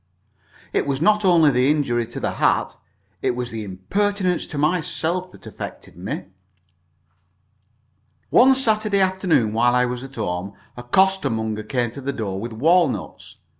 It was not only the injury to the hat it was the impertinence to myself that affected me. One Saturday afternoon, while I was at home, a costermonger came to the door with walnuts.